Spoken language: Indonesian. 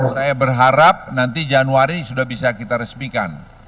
saya berharap nanti januari sudah bisa kita resmikan